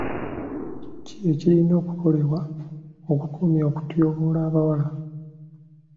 Ki ekirina okukokolebwa okukomya okutyoboola abawala?